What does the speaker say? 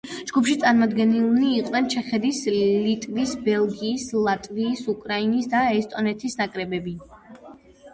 ჯგუფში წარმოდგენილნი იყვნენ ჩეხეთის, ლიტვის, ბელგიის, ლატვიის, უკრაინის და ესტონეთის ნაკრებები.